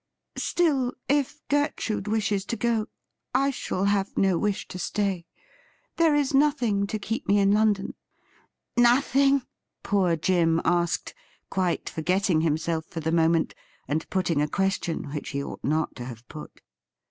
Still, if Gertrude wishes to go, I shall have no wish to stay. There is nothing to keep me in London.' ' Nothing .?' poor Jim asked, quite forgetting himself for. the moment, and putting a question which he ought not to have put.